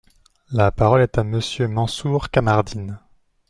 La parole est à Monsieur Mansour Kamardine.